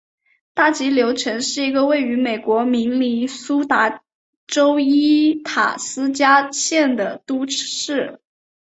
大急流城是一个位于美国明尼苏达州伊塔斯加县的都市。